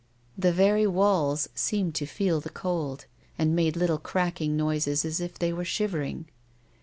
The very walls seemed to feel the cold, and made little crackling noises as if they were shivering.